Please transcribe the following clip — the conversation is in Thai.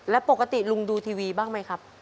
แล้วปกติลุงดูทีวีบ้างไหมครับ